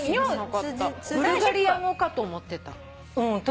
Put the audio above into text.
ブルガリア語かと思ってた。